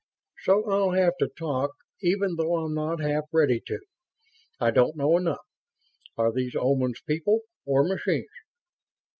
So I'll have to talk, even though I'm not half ready to I don't know enough. Are these Omans people or machines?"